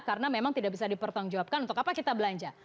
karena memang tidak bisa dipertanggungjawabkan untuk apa kita belanja